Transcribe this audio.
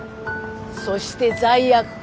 そして罪悪感！